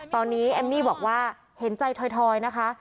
ตอนนี้เอมมี่บอกว่าเห็นใจถอยนะคะ